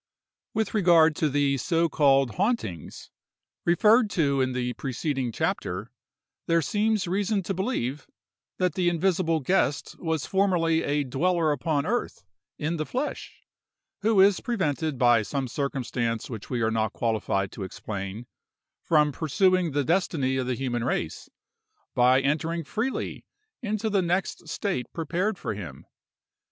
WITH regard to the so called hauntings, referred to in the preceding chapter, there seems reason to believe that the invisible guest was formerly a dweller upon earth, in the flesh, who is prevented by some circumstance which we are not qualified to explain, from pursuing the destiny of the human race, by entering freely into the next state prepared for him.